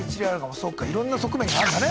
そっかいろんな側面があんだね。